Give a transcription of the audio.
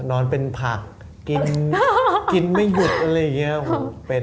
นอนเป็นผักกินไม่หยุดอะไรอย่างนี้เป็นนะเป็น